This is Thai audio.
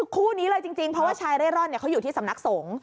คู่นี้เลยจริงเพราะว่าชายเร่ร่อนเขาอยู่ที่สำนักสงฆ์